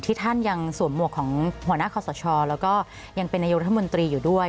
ท่านยังสวมหมวกของหัวหน้าคอสชแล้วก็ยังเป็นนายกรัฐมนตรีอยู่ด้วย